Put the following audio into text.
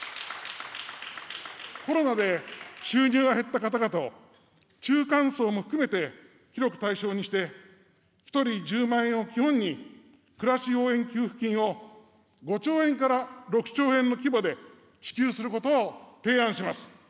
コロナで収入が減った方々を、中間層も含めて広く対象にして、１人１０万円を基本に、暮らし応援給付金を５兆円から６兆円の規模で支給することを提案します。